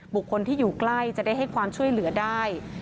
บุคคลที่อยู่ใกล้จะได้ให้ความช่วยเหลือได้